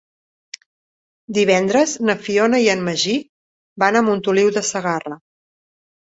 Divendres na Fiona i en Magí van a Montoliu de Segarra.